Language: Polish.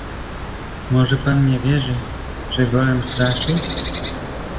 "Może pan nie wierzy, że Golem straszy?"